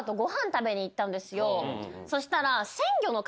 そしたら。